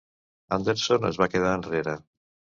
Anderson es va quedar enrere.